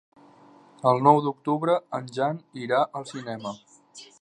El nou d'octubre en Jan irà al cinema.